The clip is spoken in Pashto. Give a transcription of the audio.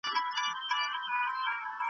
ولې دا کوډ په سمه توګه کار نه کوي؟